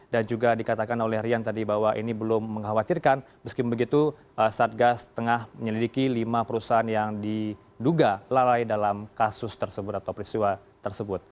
dan juga dikatakan oleh rian tadi bahwa ini belum mengkhawatirkan meskipun begitu satgas tengah menyelidiki lima perusahaan yang diduga lalai dalam kasus tersebut atau peristiwa tersebut